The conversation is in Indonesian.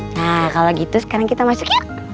nah kalau gitu sekarang kita masuk yuk